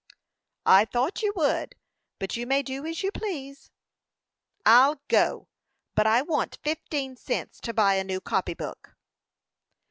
"I thought you would; but you may do as you please." "I'll go, but I want fifteen cents to buy a new copy book."